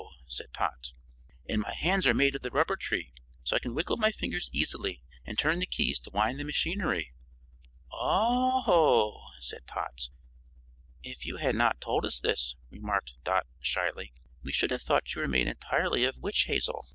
said Tot. "And my hands are made of the rubber tree so I can wiggle my fingers easily and turn the keys to wind the machinery." "Oh!" said Tot. "If you had not told us this," remarked Dot, shyly, "we should have thought you were made entirely of witch hazel."